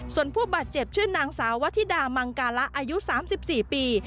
ส่วนผู้บาดเจ็บชื่อนางสาววธิดามังการะอายุ๓๔ปี